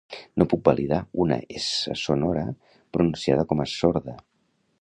No puc validar una essa sonora pronunciada com a sorda.